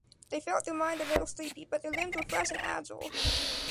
They felt their mind a little sleepy, but their limbs were fresh and agile.